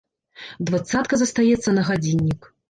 Дваццатка застаецца на гадзіннік.